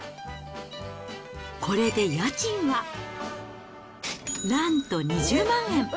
これで家賃は、なんと２０万円。